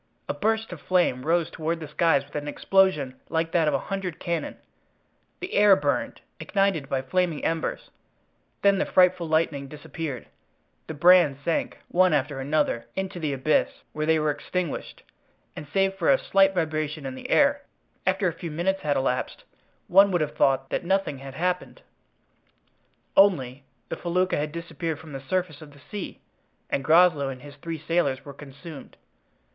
A burst of flame rose toward the skies with an explosion like that of a hundred cannon; the air burned, ignited by flaming embers, then the frightful lightning disappeared, the brands sank, one after another, into the abyss, where they were extinguished, and save for a slight vibration in the air, after a few minutes had elapsed one would have thought that nothing had happened. Only—the felucca had disappeared from the surface of the sea and Groslow and his three sailors were consumed.